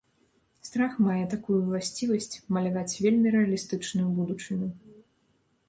Страх мае такую ўласцівасць маляваць вельмі рэалістычную будучыню.